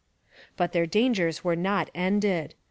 But their dangers were not ended.